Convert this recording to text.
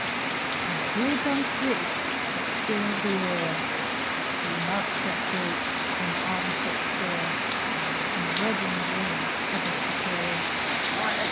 "And hear dumb shrieks that fill the air; See mouths that gape, and eyes that stare And redden in the dusky glare?